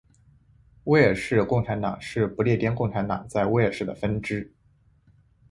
威尔士共产党是不列颠共产党在威尔士的分支。